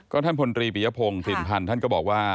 ท่านพลตรีปิยพงศ์ถิ่นพันธ์ท่านก็บอกว่า